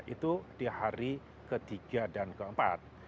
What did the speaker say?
itu di hari ketiga dan keempat